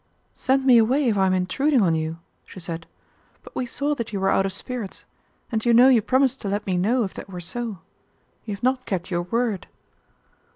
"Send me away if I am intruding on you," she said; "but we saw that you were out of spirits, and you know you promised to let me know if that were so. You have not kept your word."